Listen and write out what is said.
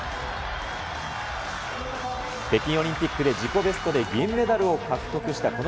北京オリンピックで自己ベストで銀メダルを獲得した